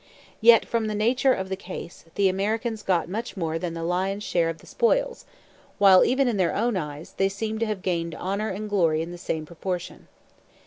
Yet, from the nature of the case, the Americans got much more than the lion's share of the spoils, while, even in their own eyes, they seemed to have gained honour and glory in the same proportion.